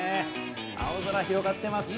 青空が広がってます。